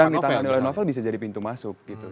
sedang ditangan oleh novel bisa jadi pintu masuk gitu